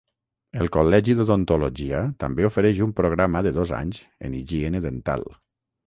El Col·legi d'Odontologia també ofereix un programa de dos anys en higiene dental.